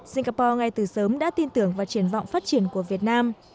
singapore ngay từ sớm đã tin tưởng vào triển vọng phát triển của việt nam